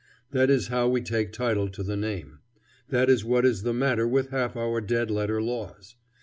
That is how we take title to the name. That is what is the matter with half our dead letter laws.